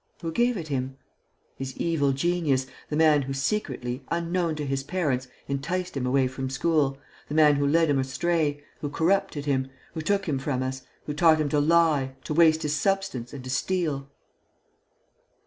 "Who gave it him?" "His evil genius, the man who, secretly, unknown to his parents, enticed him away from school, the man who led him astray, who corrupted him, who took him from us, who taught him to lie, to waste his substance and to steal."